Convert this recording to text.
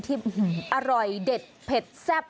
ที่อร่อยเด็ดเผ็ดแซ่บ